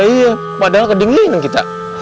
iya padahal kedinginan kita